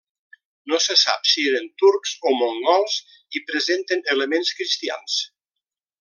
No se sap si eren turcs o mongols i presenten elements cristians.